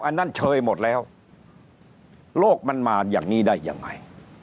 อันนั้นเชยหมดแล้วโลกมันมาอย่างนี้ได้ยังไง